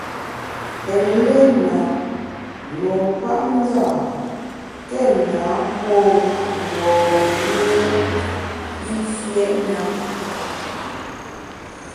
Eléna, nupapndâ, téna pô mgbom-i yùe i fiét na.